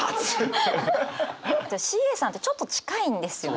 ＣＡさんってちょっと近いんですよね。